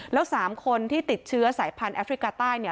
แล้ว๓คนที่ติดเชื้อสายพันธุแอฟริกาใต้เนี่ย